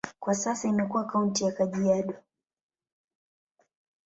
Kwa sasa imekuwa kaunti ya Kajiado.